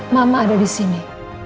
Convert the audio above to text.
mama ada disini